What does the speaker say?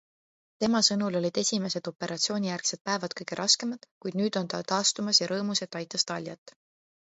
Tema sõnul olid esimesed operatsioonijärgsed päevad kõige raskemad, kuid nüüd on ta taastumas ja rõõmus, et aitas Taliat.